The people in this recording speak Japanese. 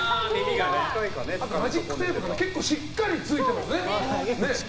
あとマジックテープが結構しっかりついてますね。